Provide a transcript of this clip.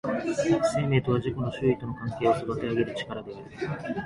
生命とは自己の周囲との関係を育てあげる力である。